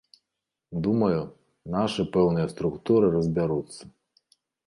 Думаю, нашы пэўныя структуры разбяруцца.